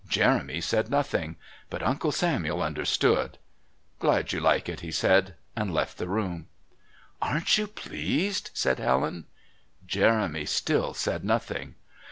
Jeremy said nothing. But Uncle Samuel understood. "Glad you like it," he said, and left the room. "Aren't you pleased?" said Helen. Jeremy still said nothing.